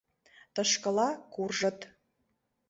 Тышкыла куржыт...